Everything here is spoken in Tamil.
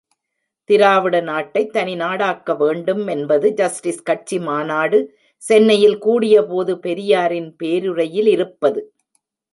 திராவிட நாட்டைத் தனி நாடாக்க வேண்டும் என்பது ஜஸ்டிஸ் கட்சி மாநாடு சென்னையில் கூடிய போது பெரியாரின் பேருரையிலிருப்பது.